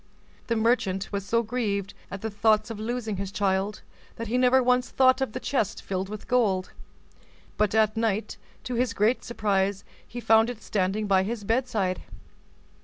The merchant was so grieved at the thoughts of losing his child, that he never once thought of the chest filled with gold, but at night, to his great surprise, he found it standing by his bedside.